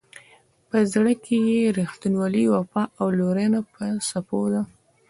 په زړه کې یې رښتینولي، وفا او لورینه په څپو ده.